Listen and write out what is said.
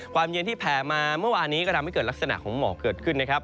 ความเย็นที่แผ่มาเมื่อวานนี้ก็ทำให้เกิดลักษณะของหมอกเกิดขึ้นนะครับ